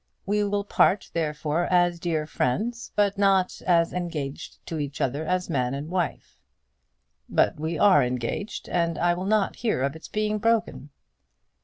We will part, therefore, as dear friends, but not as engaged to each other as man and wife." "But we are engaged, and I will not hear of its being broken."